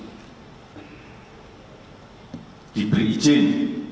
jadi diberi izin